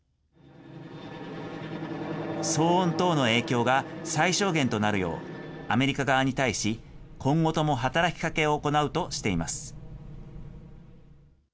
騒音等の影響が最小限となるよう、アメリカ側に対し、今後とも働きかけを行うとしています。